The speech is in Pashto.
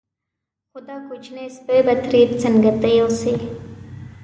خو دا کوچنی سپی به ترې څنګه ته یوسې.